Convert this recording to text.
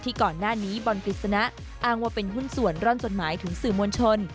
ก่อนหน้านี้บอลกฤษณะอ้างว่าเป็นหุ้นส่วนร่อนจดหมายถึงสื่อมวลชน